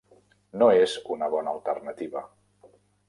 No és una bona alternativa.